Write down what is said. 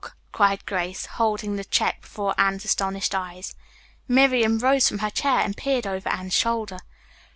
cried Grace, holding the check before Anne's astonished eyes. Miriam rose from her chair and peered over Anne's shoulder.